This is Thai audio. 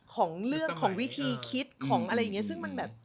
ของเรื่องของวิธีคิดของอะไรอย่างนี้ซึ่งมันแบบ